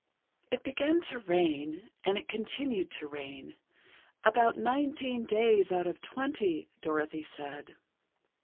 It began to rain, and it continued to rain—"about nineteen days out of twenty," Dorothy said.